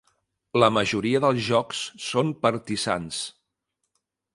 La majoria dels jocs són partisans.